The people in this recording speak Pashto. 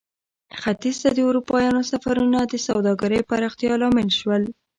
ختیځ ته د اروپایانو سفرونه د سوداګرۍ پراختیا لامل شول.